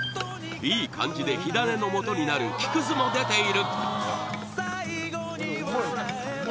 いい感じで火種の元になる木屑も出ている